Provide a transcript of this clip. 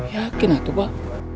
yakin ah itu pak